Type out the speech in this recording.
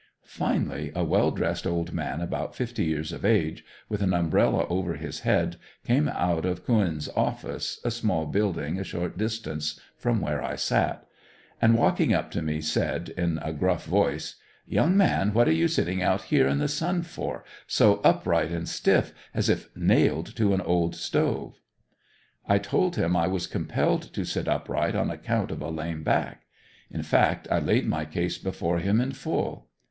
Finally a well dressed old man about fifty years of age, with an umbrella over his head, came out of Couens' office, a small building a short distance from where I sat, and walking up to me said, in a gruff voice, "young man what are you sitting out here in the sun for, so upright and stiff, as if nailed to that old stove?" I told him I was compelled to sit upright on account of a lame back. In fact I laid my case before him in full.